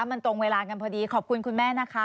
มันตรงเวลากันพอดีขอบคุณคุณแม่นะคะ